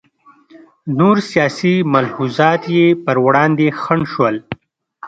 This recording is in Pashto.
نور سیاسي ملحوظات یې پر وړاندې خنډ شول.